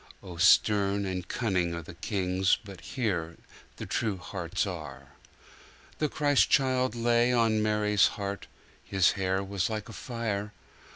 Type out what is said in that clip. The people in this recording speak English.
(O stern and cunning are the kings, But here the true hearts are.)3. The Christ child lay on Mary's heart, His hair was like a fire.